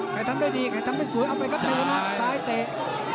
ใครทำได้ดีใครทำได้สวยเอาไว้กัดเตะนะซ้ายเตะ